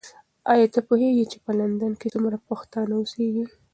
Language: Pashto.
ایا ته پوهېږې چې په لندن کې څومره پښتانه اوسیږي؟